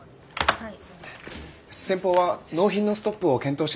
はい。